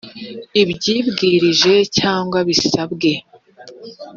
abyibwirije cyangwa bisabwe